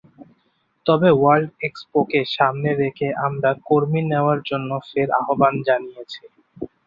তবে ওয়ার্ল্ড এক্সপোকে সামনে রেখে আমরা কর্মী নেওয়ার জন্য ফের আহ্বান জানিয়েছি।